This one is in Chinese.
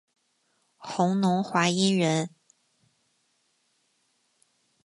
弘农华阴人。